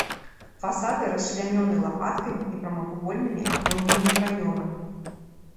Фасады расчлянёны лапаткамі і прамавугольнымі аконнымі праёмамі.